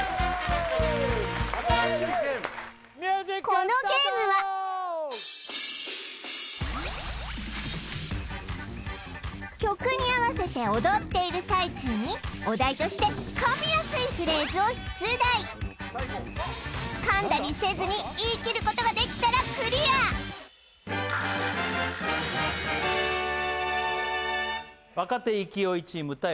このゲームは曲に合わせて踊っている最中にお題として噛みやすいフレーズを出題噛んだりせずに言い切ることができたらクリア若手勢いチーム対